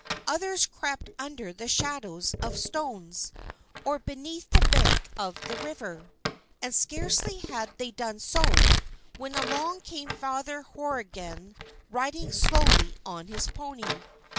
Others crept under the shadow of stones, or beneath the bank of the river. And scarcely had they done so, when along came Father Horrigan riding slowly on his pony.